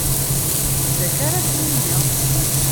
D acu ara as-nini?